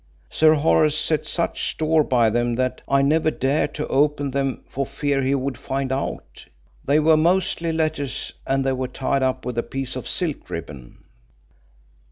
Sir Horace set such store by them that I never dared to open them for fear he would find out. They were mostly letters and they were tied up with a piece of silk ribbon."